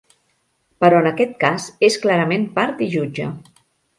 Però en aquest cas, és clarament part i jutge.